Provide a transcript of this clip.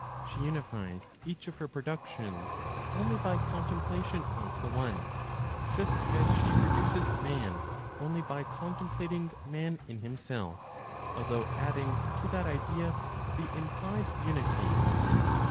She unifies each of her productions only by contemplation of the One, just as she produces man only by contemplating Man in himself, although adding to that idea the implied unity.